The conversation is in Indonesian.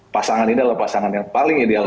pasangan ini adalah pasangan yang paling ideal